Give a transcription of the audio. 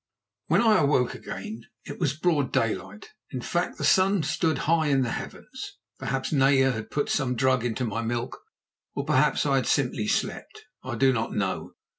When I awoke again it was broad daylight; in fact, the sun stood high in the heavens. Perhaps Naya had put some drug into my milk, or perhaps I had simply slept. I do not know.